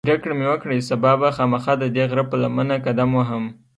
پرېکړه مې وکړه چې سبا به خامخا ددې غره پر لمنه قدم وهم.